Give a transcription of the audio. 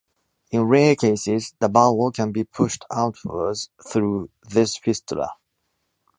In rare cases, the bowel can be pushed outwards through this fistula.